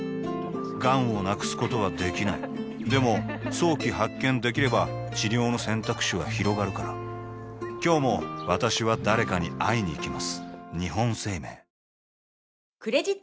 がんを無くすことはできないでも早期発見できれば治療の選択肢はひろがるから今日も私は誰かに会いにいきます